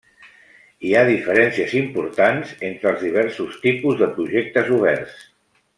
Hi ha diferències importants entre els diversos tipus de projectes oberts.